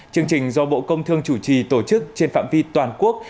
chương trình do bộ công thương chủ trì tổ chức trên phạm vi toàn quốc